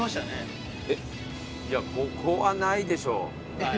いやここはないでしょう。